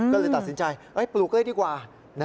ก็เลยตัดสินใจปลูกเลยดีกว่า